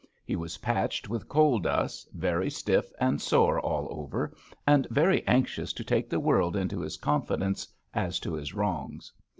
He was patched with coal dust, very stiff and sore all over, and very anxious to take the world into his confidence as to his wrongs.